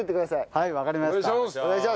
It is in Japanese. はいわかりました。